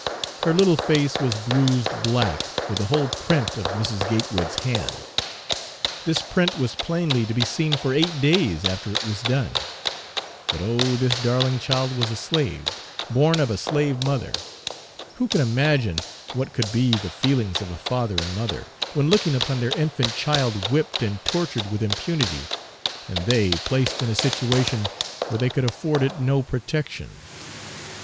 Her little face was bruised black with the whole print of Mrs. Gatewood's hand. This print was plainly to be seen for eight days after it was done. But oh! this darling child was a slave; born of a slave mother. Who can imagine what could be the feelings of a father and mother, when looking upon their infant child whipped and tortured with impunity, and they placed in a situation where they could afford it no protection.